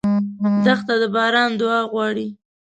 دښته د باران دعا غواړي.